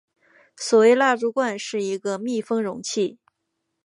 所谓蜡烛罐是一个密封容器。